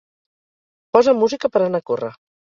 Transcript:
Posa'm música per a anar a córrer.